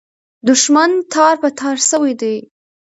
دښمنان تار په تار سوي دي.